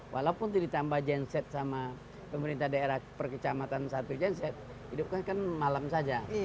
walaupun ditambah janset sama pemerintah daerah perkecamatan satu janset hidup kan malam saja